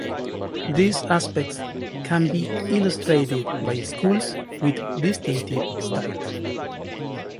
These aspects can be illustrated by schools with distinctive styles.